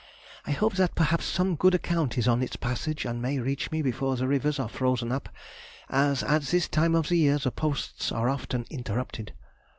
I hope that perhaps some good account is on its passage and may reach me before the rivers are frozen up, as at this time of the year the posts are often interrupted.